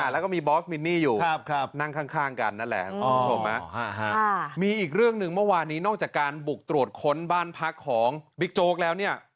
แล้วก็มีบอสมินนี่อยู่นั่งข้างกันนั่นแหละคุณผู้ชมมีอีกเรื่องหนึ่งเมื่อวานนี้นอกจากการบุกตรวจค้นบ้านพักของบิ๊กโจ๊กแล้วเนี่ย